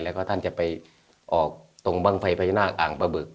และคุณจะไปออกตรงบางไฟไฟจานากอ่างปบึก